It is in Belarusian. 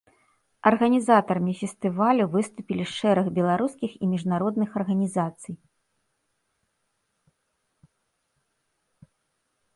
Арганізатарамі фестывалю выступілі шэраг беларускіх і міжнародных арганізацый.